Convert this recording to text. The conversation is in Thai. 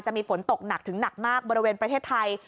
มีฝนตกหนักถึงหนักมากบริเวณประเทศไทย